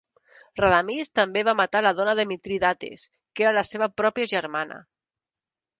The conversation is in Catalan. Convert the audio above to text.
Radamist també va matar la dona de Mitridates, que era la seva pròpia germana.